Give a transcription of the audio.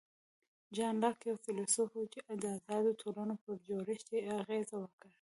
جان لاک یو فیلسوف و چې د آزادو ټولنو پر جوړښت یې اغېز وکړ.